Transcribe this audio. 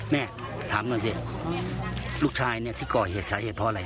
แม่ถามก่อนสิลูกชายนี่ที่เกาะเหตุสาเหตุแบบนี้